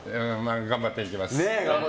頑張っていきます。